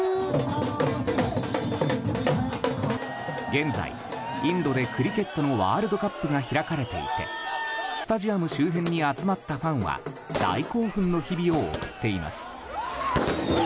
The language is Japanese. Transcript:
現在、インドでクリケットのワールドカップが開かれていてスタジアム周辺に集まったファンは大興奮の日々を送っています。